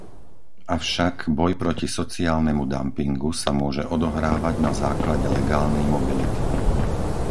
Avšak, boj proti sociálnemu dampingu sa môže odohrávať na základe legálnej mobility.